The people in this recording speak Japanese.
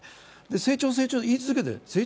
成長、成長と言い続けて、成長